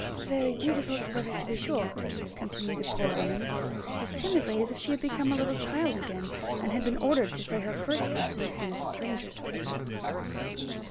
"Very beautiful weather to be sure," continued the poor woman, as timidly as if she had become a little child again, and had been ordered to say her first lesson in a stranger's presence.